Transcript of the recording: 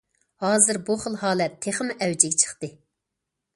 ھازىر بۇ خىل ھالەت تېخىمۇ ئەۋجىگە چىقتى.